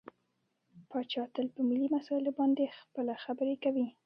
پاچا تل په ملي مسايلو باندې خپله خبرې کوي .